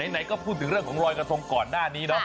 ไหนก็พูดถึงเรื่องของรอยกระทงก่อนหน้านี้เนาะ